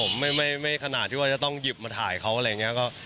ผมไม่ขนาดที่ว่าจะต้องหยิบมาถ่ายเขาอะไรอย่างนี้